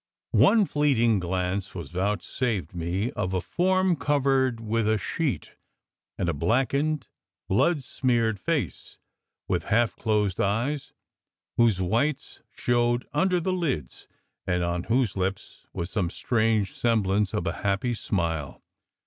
One fleeting glance was vouchsafed me of a form covered with a sheet, and a black ened, blood smeared face, with half closed eyes whose whites showed under the lids, and on whose lips was some strange semblance of a happy smile.